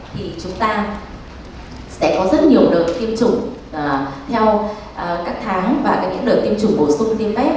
thì chúng ta sẽ có rất nhiều đợt tiêm chủng theo các tháng và những đợt tiêm chủng bổ sung times